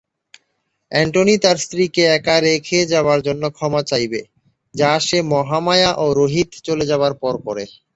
Antony তার স্ত্রীকে একা রেখে যাবার জন্য ক্ষমা চাইবে, যা সে মহামায়া ও রোহিত চলে যাবার পর করে।